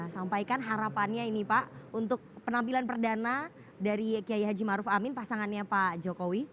sampaikan harapannya ini pak untuk penampilan perdana dari kiai haji maruf amin pasangannya pak jokowi